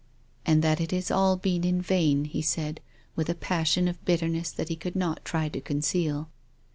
" And that it has all been in vain," he said, with a passion of bitterness that he could not try to conceal.